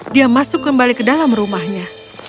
dia masuk kembali ke dalam rumahnya